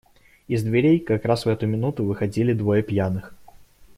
Из дверей, как раз в эту минуту, выходили двое пьяных.